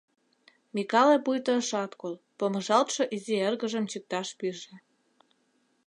Микале пуйто ышат кол, помыжалтше изи эргыжым чикташ пиже.